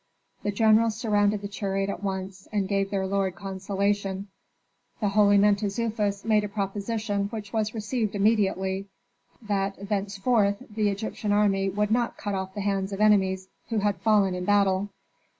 The generals surrounded the chariot at once and gave their lord consolation. The holy Mentezufis made a proposition which was received immediately, that thenceforth the Egyptian army would not cut off the hands of enemies who had fallen in battle.